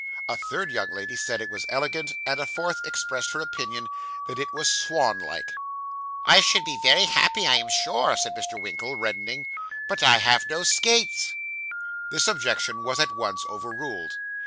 A third young lady said it was elegant, and a fourth expressed her opinion that it was 'swan like.' 'I should be very happy, I'm sure,' said Mr. Winkle, reddening; 'but I have no skates.' This objection was at once overruled.